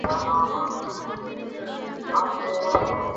কেমন করে জানায় যে, এমনতরো টেপাটেপি করে কেবলমাত্র তাকে অপদস্থ করা হচ্ছে?